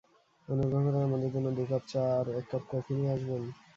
অনুগ্রহ করে আমাদের জন্য দু কাপ চা আর এক কাপ কফি নিয়ে আসবেন।